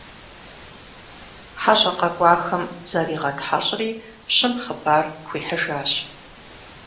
ХьэщӀэ къэкӀуахэм заригъэтхьэщӀри пщым хъыбар хуихьыжащ.